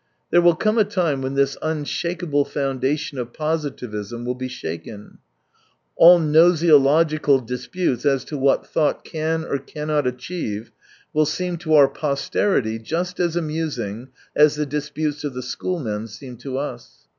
There will come a time when this unshakeable foundation of positivism wUl be shaken. AH gnosiological disputes as to what thought can or cannot achieve will seem to our posterity just as amusing as the disputes of the schoolmen seem to us.